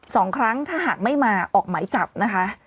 สองครั้งถ้าหากไม่มาออกหมายจับนะคะ